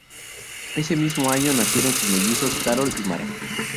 Ese mismo año, nacieron sus mellizos, Carol y Mark.